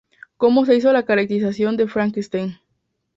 Cómo se hizo la caracterización de Frankenstein